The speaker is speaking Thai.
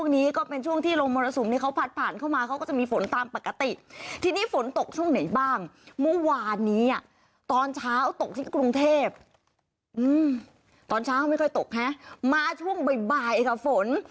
ตอนเช้าไม่ค่อยตกแฮะมาช่วงบ่ายบ่ายค่ะฝน